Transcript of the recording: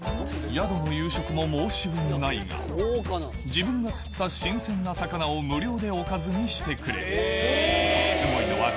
宿の夕食も申し分ないが、自分が釣った新鮮な魚を無料でおかずにしてくれる。